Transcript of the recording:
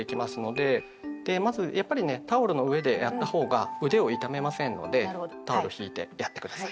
でまずやっぱりねタオルの上でやった方が腕を痛めませんのでタオルをひいてやって下さい。